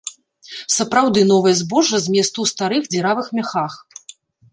Сапраўды, новае збожжа зместу ў старых, дзіравых мяхах!